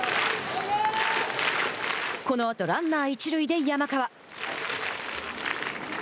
このあとランナー一塁で山川。